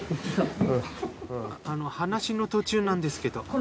あの話の途中なんですけど。